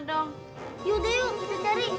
tidak ada yang bisa cari